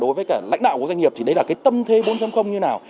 đối với cả lãnh đạo của doanh nghiệp thì đấy là cái tâm thế bốn như nào